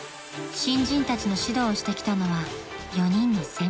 ［新人たちの指導をしてきたのは４人の先輩たちです］